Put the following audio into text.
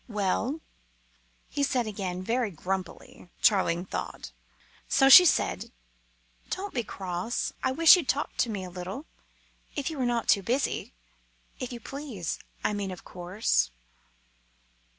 "Well?" he said again, very grumpily, Charling thought; so she said, "Don't be cross. I wish you'd talk to me a little, if you are not too busy. If you please, I mean, of course."